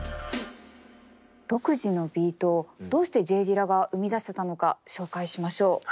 独自のビートをどうしてＪ・ディラが生み出せたのか紹介しましょう。